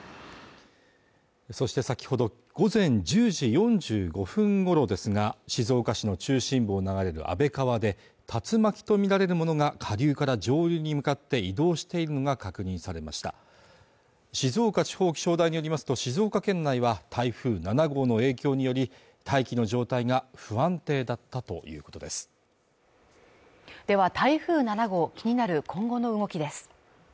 そして先ほど午前１０時４５分ごろですが静岡市の中心部を流れる安倍川で竜巻とみられるものが下流から上流に向かって移動しているのが確認されました静岡地方気象台によりますと静岡県内は台風７号の影響により大気の状態が不安定だったということですでは台風７号気になる今後の動きです